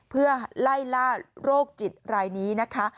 เพื่อไล่ล่าโรคจิตรายนี้นะคะ